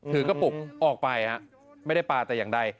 ถือกระปุกออกไปไม่ได้ปลาแต่อย่างใด